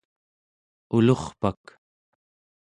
ulurpak